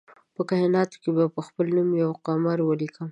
په کائیناتو کې به خپل نوم پر قمر ولیکم